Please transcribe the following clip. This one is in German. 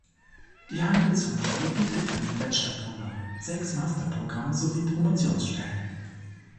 Die Handelshochschule bietet fünf Bachelor-Programme, sechs Master-Programme sowieso Promotions-Stellen.